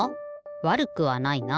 わるくはないな。